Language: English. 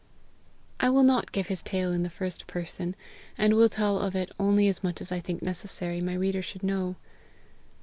I will not give his tale in the first person; and will tell of it only as much as I think it necessary my reader should know.